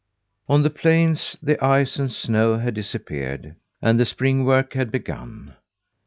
On the plains the ice and snow had disappeared, and the spring work had begun.